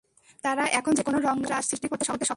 তারা এখন যে কোন রণাঙ্গনে ত্রাস সৃষ্টি করতে সক্ষম।